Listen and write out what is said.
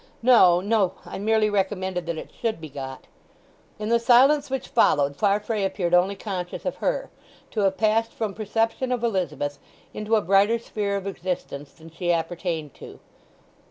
"No, no—I merely recommended that it should be got." In the silence which followed Farfrae appeared only conscious of her; to have passed from perception of Elizabeth into a brighter sphere of existence than she appertained to.